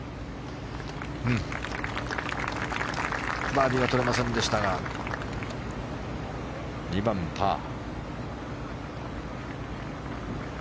バーディーはとれませんでしたが２番、パー。